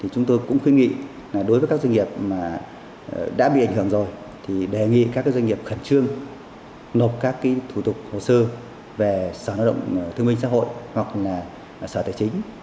chúng tôi khuyên nghị các doanh nghiệp khẩn trương nộp các thủ tục hồ sơ về sở lộng thông minh xã hội hoặc sở tài chính